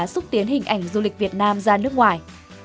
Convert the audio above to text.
xúc tiến hình ảnh du lịch việt nam ra nước ngoài